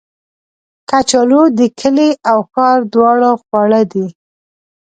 کچالو د کلي او ښار دواړو خواړه دي